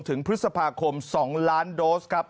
ถึงพฤษภาคม๒ล้านโดสครับ